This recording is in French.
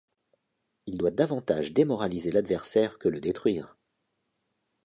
Il doit davantage démoraliser l'adversaire que le détruire.